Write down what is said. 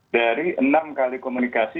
dari enam kali komunikasi